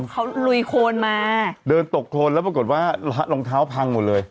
เขาลุยโคนมาเดินตกโครนแล้วปรากฏว่ารองเท้าพังหมดเลย